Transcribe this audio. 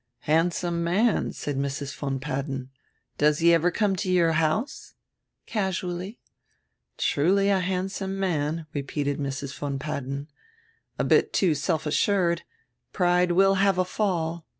"Handsome man," said Mrs. von Padden. "Does he ever come to your house?" "Casually." "Truly a handsome man," repeated Mrs. von Padden. "A little bit too self assured. Pride will have a fall.